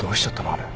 あれ。